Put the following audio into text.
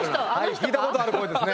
聞いたことある声ですね。